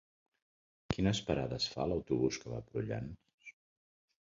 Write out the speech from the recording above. Quines parades fa l'autobús que va a Prullans?